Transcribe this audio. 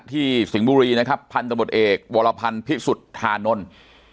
ที่สิงภูรีนะครับพันธุ์สมุทรเอกวรพันธุ์พิสุทธานนทร์